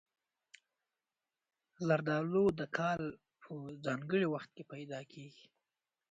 زردالو د کال په ځانګړي وخت کې پیدا کېږي.